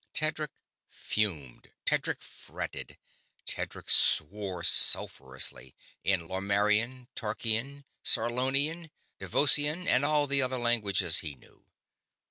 Tedric fumed. Tedric fretted. Tedric swore sulphurously in Lomarrian, Tarkian, Sarlonian, Devossian, and all the other languages he knew.